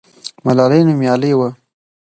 ملالۍ نومیالۍ وه.